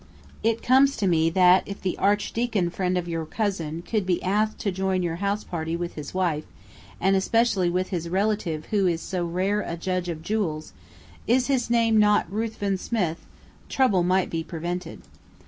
It comes to me that if the Archdeacon friend of your cousin could be asked to join your house party with his wife, and especially with his relative who is so rare a judge of jewels (is not his name Ruthven Smith?) trouble might be prevented.